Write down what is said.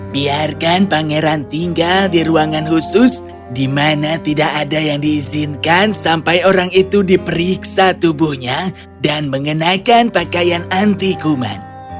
biarkan pangeran tinggal di ruangan khusus di mana tidak ada yang diizinkan sampai orang itu diperiksa tubuhnya dan mengenakan pakaian anti kuman